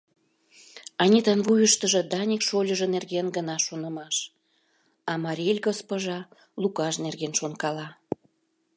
Анитан вуйыштыжо Даник шольыжо нерген гына шонымаш, а Марель госпожа Лукаж нерген шонкала.